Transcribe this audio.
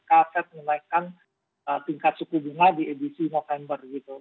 mungkin bisa kita bisa menaikkan tingkat suku jumlah di edisi november gitu